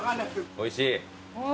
おいしい。